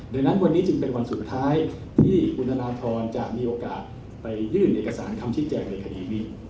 ดังนั้นวันนี้จึงเป็นวันสุดท้ายที่คุณธนทรจะมีโอกาสไปยื่นเอกสารคำชี้แจงในคดีนี้